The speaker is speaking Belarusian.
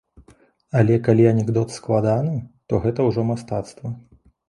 Але, калі анекдот складаны, то гэта ўжо мастацтва.